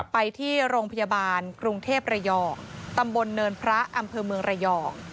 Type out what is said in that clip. ไปที่โรงพยาบาลกรุงเทพระยองตำบลเนินพระอำเภอเมืองระยอง